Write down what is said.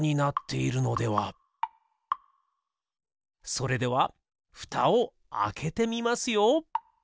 それではふたをあけてみますよ。